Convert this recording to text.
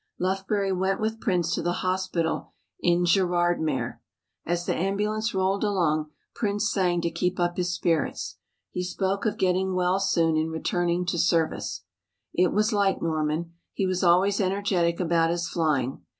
Lufbery went with Prince to the hospital in Gerardmer. As the ambulance rolled along Prince sang to keep up his spirits. He spoke of getting well soon and returning to service. It was like Norman. He was always energetic about his flying.